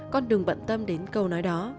con đừng bận tâm đến câu nói đó